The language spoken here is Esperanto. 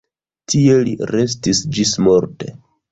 Tie li restis ĝismorte.